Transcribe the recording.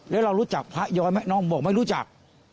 แล้วเรารู้จักพระย้อยไหมน้องบอกไม่รู้จัก